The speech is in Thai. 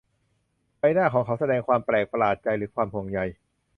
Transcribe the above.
ใบหน้าของเขาแสดงความแปลกประหลาดใจหรือความห่วงใย